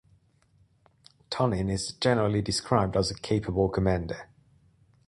Tonyn is generally described as a capable commander.